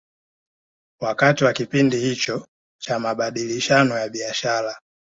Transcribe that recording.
Wakati wa kipindi hicho cha mabadilishano ya biashara